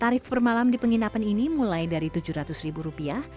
tarif per malam di penginapan ini mulai dari tujuh ratus ribu rupiah